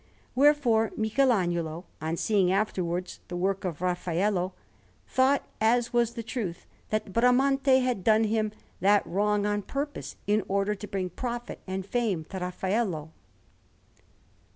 Wherefore Michelagnolo, on seeing afterwards the work of Raffaello, thought, as was the truth, that Bramante had done him that wrong on purpose in order to bring profit and fame to Raffaello.